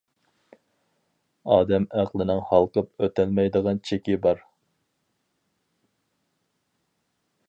ئادەم ئەقلىنىڭ ھالقىپ ئۆتەلمەيدىغان چېكى بار.